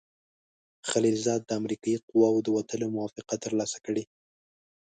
خلیلزاد د امریکایي قواوو د وتلو موافقه ترلاسه کړې.